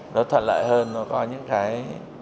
nó thuận lợi hơn nó có những cái